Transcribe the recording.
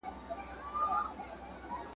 ماسومان کولای سي له کیسو ډېر څه زده کړي.